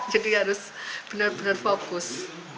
harus benar benar fokus